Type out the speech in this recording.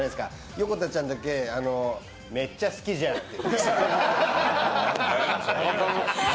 横田ちゃんだけ、めっちゃ好きじゃんって。